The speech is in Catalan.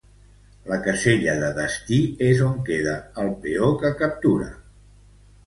La casella de destí és on queda el peó que captura.